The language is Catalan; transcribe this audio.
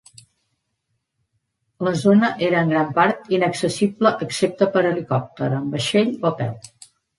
La zona era en gran part inaccessible excepte per helicòpter, en vaixell o a peu.